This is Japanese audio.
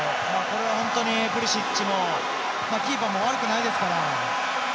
これは本当にプリシッチもキーパーも悪くないですから。